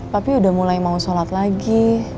tapi udah mulai mau sholat lagi